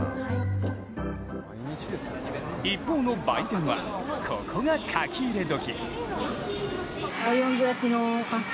一方の売店は、ここが書き入れ時。